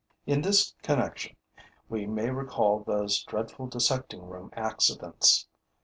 In this connection, we may recall those dreadful dissecting room accidents.